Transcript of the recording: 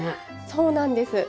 そうなんです。